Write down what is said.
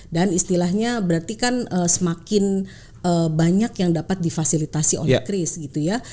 dan istilahnya berarti kan semakin banyak yang dapat difasilitasi oleh kris gitu ya